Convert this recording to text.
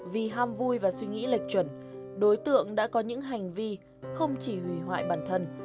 vì ham vui và suy nghĩ lệch chuẩn đối tượng đã có những hành vi không chỉ hủy hoại bản thân